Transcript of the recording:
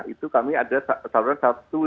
itu kami ada saluran satu ratus lima puluh tujuh